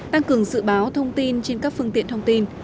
tăng cường dự báo thông tin trên các phương tiện thông tin